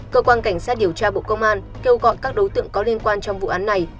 cơ quan cảnh sát điều tra bộ công an kêu gọi các đối tượng có liên quan trong vụ án này